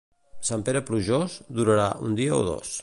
Sant Pere plujós, durarà un dia o dos.